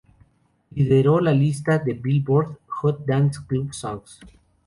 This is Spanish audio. Lideró la lista del "Billboard" Hot Dance Club Songs.